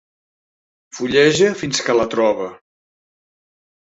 Fulleja fins que la troba.